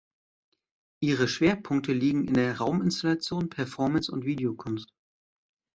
Ihre Schwerpunkte liegen in der Rauminstallation, Performance und Videokunst.